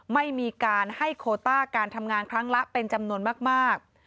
ไม่มีการให้โคต้าการทำงานครั้งละเป็นจำนวนมาก